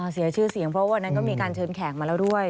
เสียชื่อเสียงเพราะวันนั้นก็มีการเชิญแขกมาแล้วด้วย